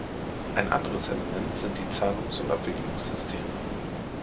Ein anderes Element sind die Zahlungs- und Abwicklungssysteme.